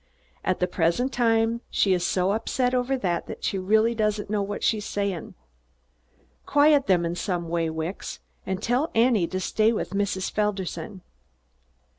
At the present time, she is so upset over that, she really doesn't know what she is saying. Quiet them in some way, Wicks! And tell Annie to stay with Mrs. Felderson!"